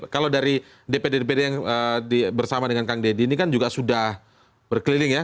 kalau dari dpd dpd yang bersama dengan kang deddy ini kan juga sudah berkeliling ya